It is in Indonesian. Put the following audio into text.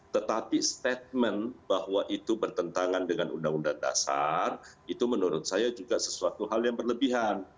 tetapi statement bahwa itu bertentangan dengan undang undang dasar itu menurut saya juga sesuatu hal yang berlebihan